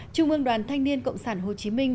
trung ương đoàn thanh niên cộng sản hồ chí minh